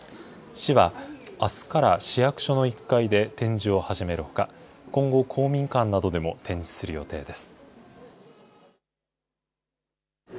市は、あすから市役所の１階で展示を始めるほか、今後、公民館などでも展示する予定です。